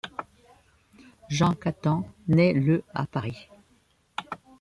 Jean Cattant naît le à Paris.